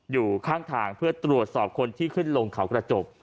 อยู่ข้างทางเพื่อตรวจสอบคนที่ขึ้นลงเขากระจก